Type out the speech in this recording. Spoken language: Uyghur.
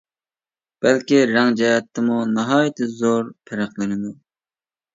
بەلكى رەڭ جەھەتتىمۇ ناھايىتى زور پەرقلىنىدۇ.